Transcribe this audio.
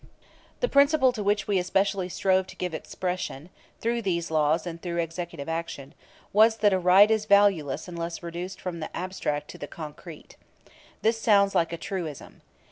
The principle to which we especially strove to give expression, through these laws and through executive action, was that a right is valueless unless reduced from the abstract to the concrete. This sounds like a truism.